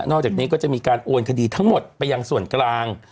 อกจากนี้ก็จะมีการโอนคดีทั้งหมดไปยังส่วนกลาง